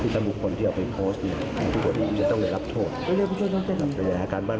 ตัวข้อที่จริงเป็นอะไร